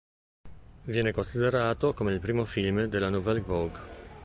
Viene considerato come il primo film della Nouvelle Vague.